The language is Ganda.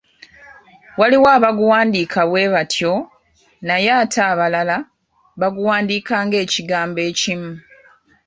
Waliwo abaguwandiika bwe batyo, naye ate abalala, baguwandiika ng'ekigambo ekimu.